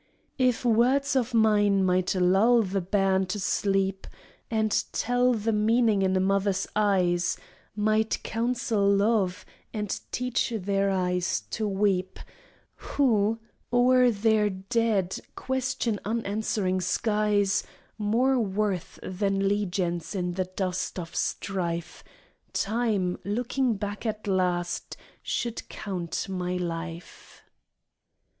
If words of mine might lull the bairn to sleep, And tell the meaning in a mother's eyes; Might counsel love, and teach their eyes to weep Who, o'er their dead, question unanswering skies, More worth than legions in the dust of strife, Time, looking back at last, should count my life.